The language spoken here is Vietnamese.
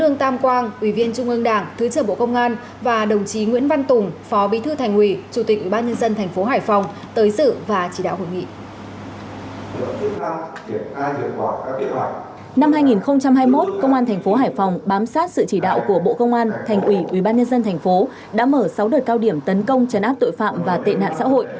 năm hai nghìn hai mươi một công an thành phố hải phòng bám sát sự chỉ đạo của bộ công an thành ủy ủy ban nhân dân thành phố đã mở sáu đợt cao điểm tấn công trấn áp tội phạm và tệ nạn xã hội